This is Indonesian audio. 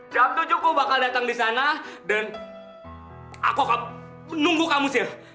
jam tujuh kau bakal datang di sana dan aku nunggu kamu sih